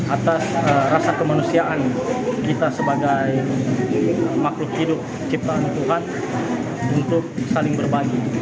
atas rasa kemanusiaan kita sebagai makhluk hidup ciptaan tuhan untuk saling berbagi